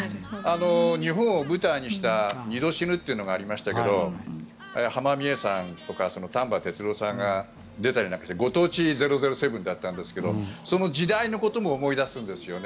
日本を舞台にした「二度死ぬ」っていうのがありましたが浜美枝さんとか丹波哲郎さんが出たりしてご当地「００７」だったんですがその時代のことも思い出すんですよね。